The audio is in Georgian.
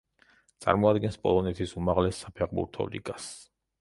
წარმოადგენს პოლონეთის უმაღლეს საფეხბურთო ლიგას.